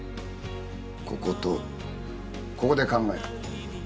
こことここで考えろ。